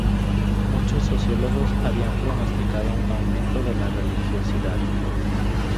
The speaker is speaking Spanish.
Muchos sociólogos habían pronosticado un aumento de la religiosidad.